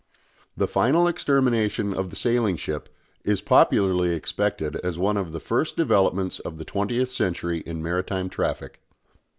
The final extermination of the sailing ship is popularly expected as one of the first developments of the twentieth century in maritime traffic.